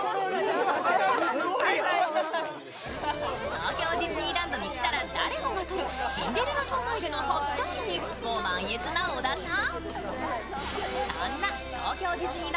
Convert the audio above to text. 東京ディズニーランドに来たら誰もが撮るシンデレラ城前での初写真にご満悦な小田さん。